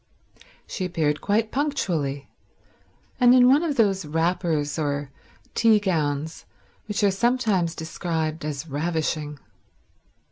She appeared quite punctually, and in one of those wrappers or tea gowns which are sometimes described as ravishing.